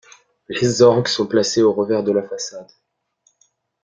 Les orgues sont placées au revers de la façade.